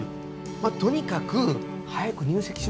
まあとにかく早く入籍しましょう。